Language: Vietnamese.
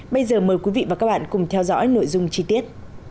bây giờ mời quý vị và các bạn cùng theo dõi nội dung chi tiết